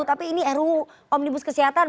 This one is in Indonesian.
tapi ini ruu omnibus kesehatan